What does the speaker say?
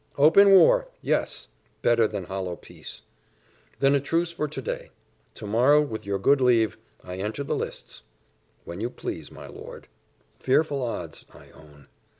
"Open war! yes better than hollow peace." "Then a truce for to day; to morrow, with your good leave, I enter the lists." "When you please, my lord." "Fearful odds, I own.